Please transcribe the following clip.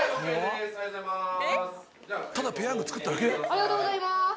ありがとうございます。